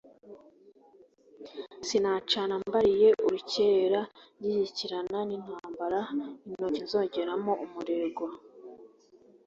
Sinacana mbaliye urukerera ngishyikirana n’intambara intoki nzongeramo umurego,